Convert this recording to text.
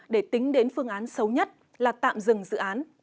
để tính đến phương án xấu nhất là tạm dừng dự án